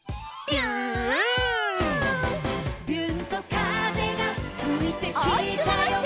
「びゅーんと風がふいてきたよ」